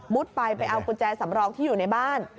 ไปไปเอากุญแจสำรองที่อยู่ในบ้าน